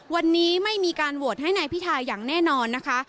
วันนี้ไม่มีการโหวตให้นายพิทาอย่างแน่นอนนะคะ